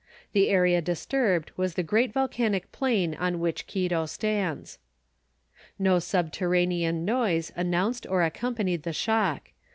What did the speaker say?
The area disturbed was the great volcanic plain on which Quito stands. No subterranean noise announced or accompanied the shock.